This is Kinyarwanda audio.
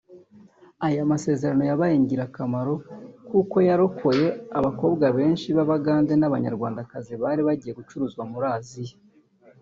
Aya masezerano yabaye ingirakamaro kuko yarokoye abakobwa benshi b’Abagande n’Abanyarwandakazi bari bagiye gucuruzwa muri Aziya